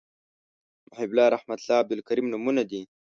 محیب الله رحمت الله عبدالکریم نومونه دي